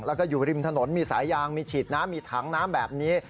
แล้วก็อยู่ริมถนนมีสายยางมีฉีดน้ำมีถังน้ำแบบนี้